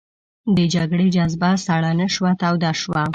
د جګړې جذبه سړه نه شوه توده شوه.